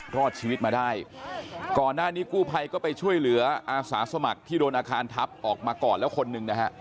รอดชีวิตมาได้ก่อนหน้านี้กู้ภัยก็ไปช่วยเหลืออาสาสมัครที่โดนอาคารทับออกมาก่อนแล้วคนหนึ่งนะฮะ